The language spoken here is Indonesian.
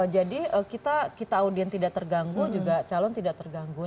jadi kita audien tidak terganggu juga calon tidak terganggu